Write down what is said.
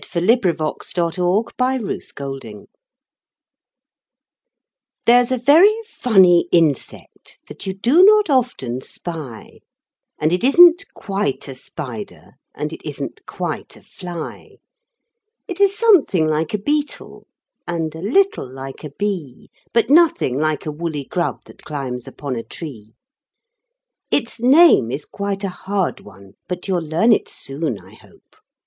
Would you? THE TRIANTIWONTIGONGOLOPE There's a very funny insect that you do not often spy, And it isn't quite a spider, and it isn't quite a fly; It is something like a beetle, and a little like a bee, But nothing like a wooly grub that climbs upon a tree. Its name is quite a hard one, but you'll learn it soon, I hope.